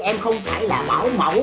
em không phải là bảo mẫu